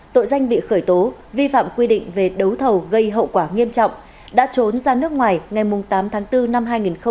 tội danh bị khởi tố vi phạm quy định về đấu thầu gây hậu quả nghiêm trọng đã trốn ra nước ngoài ngày tám tháng bốn năm hai nghìn hai mươi